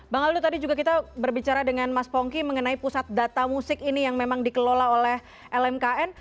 bang aldo tadi juga kita berbicara dengan mas pongki mengenai pusat data musik ini yang memang dikelola oleh lmkn